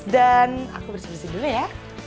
dan aku bersih bersih dulu ya